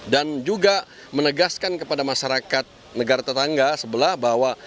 dan juga menegaskan kepada masyarakat negara tetangga sebelah bahwa